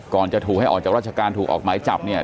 จะถูกให้ออกจากราชการถูกออกหมายจับเนี่ย